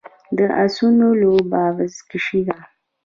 د اسونو لوبه بزکشي ده